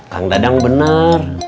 kang dadang benar